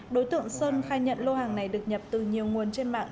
đối tượng sơn khai nhận lô hàng này được nhập từ nhiều nguồn trên mạng